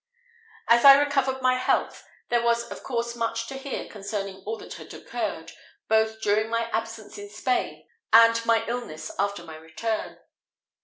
As I recovered my health, there was of course much to hear concerning all that had occurred, both during my absence in Spain, and my illness after my return.